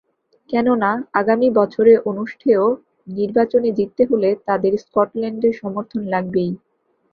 কেননা, আগামী বছরে অনুষ্ঠেয় নির্বাচনে জিততে হলে তাঁদের স্কটল্যান্ডের সমর্থন লাগবেই।